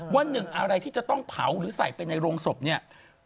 ว่าหนึ่งอะไรที่จะต้องเผาหรือใส่ไปในโรงศพเนี่ย